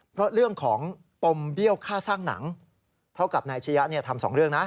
เพราะเรื่องของปมเบี้ยวค่าสร้างหนังเท่ากับนายชะยะทำสองเรื่องนะ